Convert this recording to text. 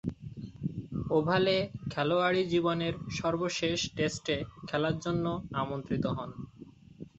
ওভালে খেলোয়াড়ী জীবনের সর্বশেষ টেস্টে খেলার জন্যে আমন্ত্রিত হন।